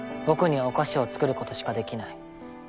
僕にはお菓子を作る事しかできない。